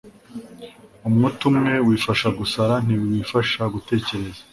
umutwe umwe wifasha gusara, ntiwifasha gutekereza